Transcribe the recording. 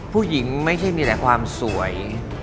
ผู้หญิงไม่ใช่มีแต่ความสวย